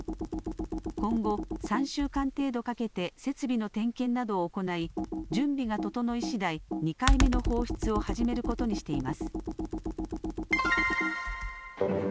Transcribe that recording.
今後、３週間程度かけて設備の点検などを行い、準備が整いしだい２回目の放出を始めることにしています。